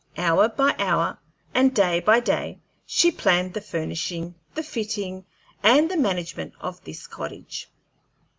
Hour by hour and day by day she planned the furnishing, the fitting, and the management of this cottage.